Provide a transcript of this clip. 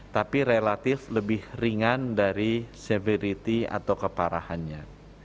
tapi relatif lebih ringan dari severity atau keparahannya